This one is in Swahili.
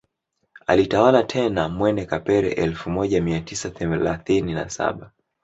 Alitawala tena Mwene Kapere elfu moja mia tisa thelathini na saba